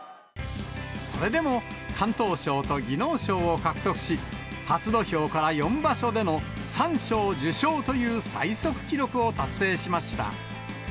それでも敢闘賞と技能賞を獲得し、初土俵から４場所での三賞受賞という最速記録を達成しました。